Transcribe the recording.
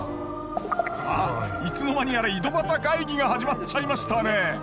あいつの間にやら井戸端会議が始まっちゃいましたね